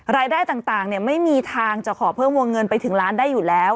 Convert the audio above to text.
รายได้ต่างไม่มีทางจะขอเพิ่มวงเงินไปถึงล้านได้อยู่แล้ว